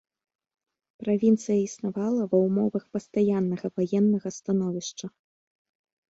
Правінцыя існавала ва ўмовах пастаяннага ваеннага становішча.